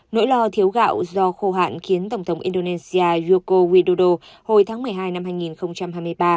nỗi lo thiếu gạo do khô hạn khiến tổng thống indonesia yoko widodo hồi tháng một mươi hai năm hai nghìn hai mươi ba